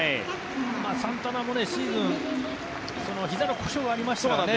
サンタナもシーズンひざの故障がありましたよね。